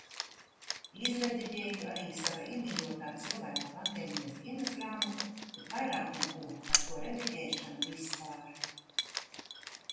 Izrediģēju arī sava iemīļotā cilvēka pandēmijas dienasgrāmatu, bet vairāk neko. Par to rediģēšanu, vispār...